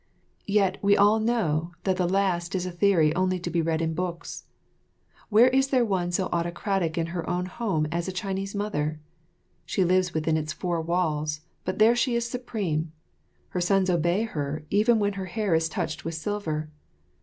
Yet we all know that the last is a theory only to be read in books. Where is there one so autocratic in her own home as a Chinese mother? She lives within its four walls, but there she is supreme. Her sons obey her even when their hair is touched with silver.